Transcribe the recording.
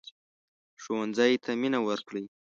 ښوونځی ته مينه ورکړئ